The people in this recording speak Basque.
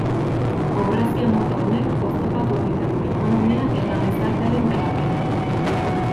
Pobrezia mota honek oztopatu egiten du ekonomia eta gizartearen garapena.